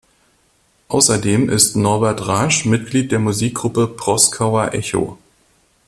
Außerdem ist Norbert Rasch Mitglied der Musikgruppe "Proskauer Echo".